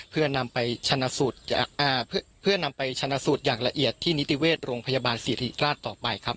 เพื่อนำไปชนะสูตรอย่างละเอียดที่นิติเวชโรงพยาบาลศรีราชต่อไปครับ